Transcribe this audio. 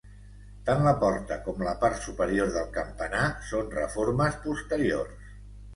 Tant la porta com la part superior del campanar són reformes posteriors.